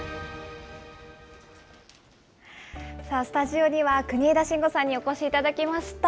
さあ、スタジオには国枝慎吾さんにお越しいただきました。